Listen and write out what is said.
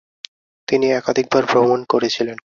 তিনি একাধিকবার ভ্রমণ করেছিলেন।